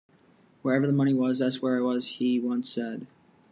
"Wherever the money was, that's where I was," he once said.